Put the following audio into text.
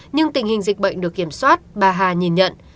nhưng tình hình dịch bệnh được kiểm soát bà hà nhìn nhận